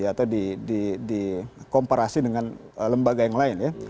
atau dikomparasi dengan lembaga yang lain ya